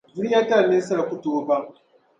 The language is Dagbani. Duniatali ninsal’ ku tooi baŋ.